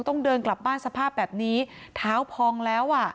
ต้องเดินกลับบ้านสภาพแบบนี้เท้าพองแล้วอ่ะ